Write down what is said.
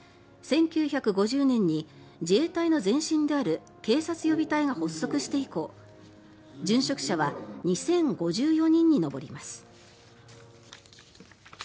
１９５０年に自衛隊の前身である警察予備隊が発足して以降殉職者は２０５４人に上ります。